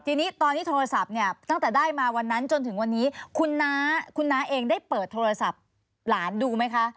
ทีนี้ตอนที่โทรศัพท์เนี่ยตั้งแต่ได้มาวันนั้นจนถึงวันนี้คุณน้าคุณน้าเองได้เปิดโทรศัพท์หลานดูไหมคะ